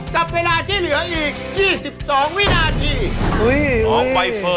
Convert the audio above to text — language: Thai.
จับเวลาที่เหลืออีก๒๒วินาที